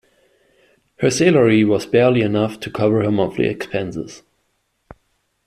Her salary was barely enough to cover her monthly expenses.